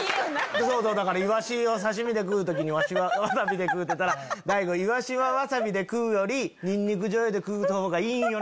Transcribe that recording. そうそうだからイワシを刺し身で食う時にわしがワサビで食うてたら「大悟イワシはワサビで食うよりニンニクじょうゆで食うたほうがいいよな。